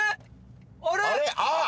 あっ！